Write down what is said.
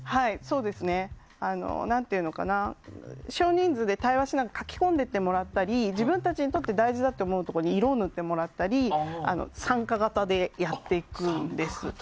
少人数で対話しながら書き込んでいってもらったり自分たちにとって大事だと思うところに色を塗ってもらったり参加型でやっていくんです。